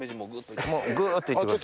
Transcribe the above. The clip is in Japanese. グっといってください。